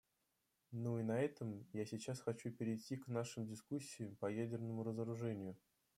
Ну и на этом я сейчас хочу перейти к нашим дискуссиям по ядерному разоружению.